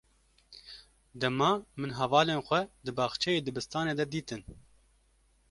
Dema min hevalên xwe di baxçeyê dibistanê de dîtin.